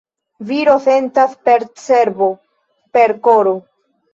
Viro sentas per cerbo, per koro.